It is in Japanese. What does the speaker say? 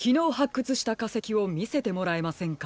くつしたかせきをみせてもらえませんか？